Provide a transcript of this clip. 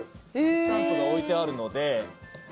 スタンプが置いてあるので。